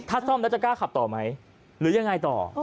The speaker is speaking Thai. ถ้าซ่อมแล้วจะกล้าขับต่อไหมหรือยังไงต่อ